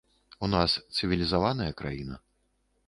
У нас цывілізаваная краіна.